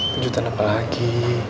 kejutan apa lagi